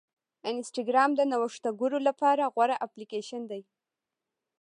انسټاګرام د نوښتګرو لپاره غوره اپلیکیشن دی.